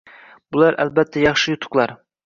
Bular, albatta, yaxshi yutuqlar.